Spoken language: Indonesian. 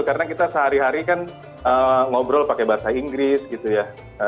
karena kita sehari hari kan ngobrol pakai bahasa inggris gitu ya